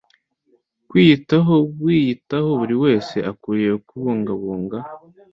Kwiyitaho wiyitaho Buri wese akwiye kubungabunga